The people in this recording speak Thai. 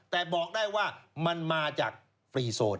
แต่บอกได้ว่ามันมาจากฟรีโซน